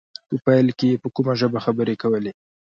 په پيل کې يې په کومه ژبه خبرې کولې.